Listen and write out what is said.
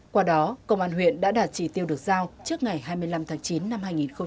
qua đó công an huyện đã đạt chỉ tiêu được giao trước ngày hai mươi năm tháng chín năm hai nghìn hai mươi ba